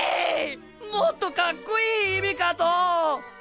もっとかっこいい意味かとっ。